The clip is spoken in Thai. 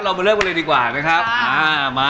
มาเริ่มกันเลยดีกว่านะครับ